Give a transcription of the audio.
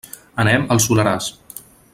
Anem al Soleràs.